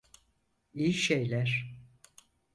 İyi şeyler.